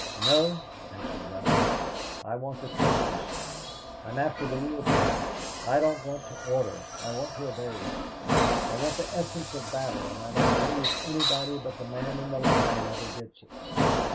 "No," answered Ralph, "I want the trenches. I'm after the real thing. I don't want to order I want to obey. I want the essence of battle, and I don't believe anybody but the man in the line ever gets it.